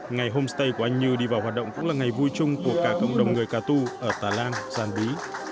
ngày homestay của anh như đi vào hoạt động cũng là ngày vui chung của cả cộng đồng người cà tu ở tà lan giàn bí